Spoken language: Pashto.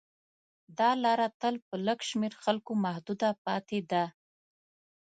دا لاره تل په لږ شمېر خلکو محدوده پاتې ده.